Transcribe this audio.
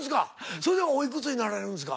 それでおいくつになられるんですか？